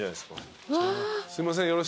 すいません